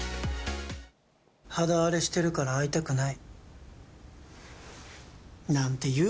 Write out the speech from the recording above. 肌荒れしているから会いたくない。